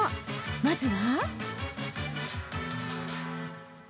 まずは。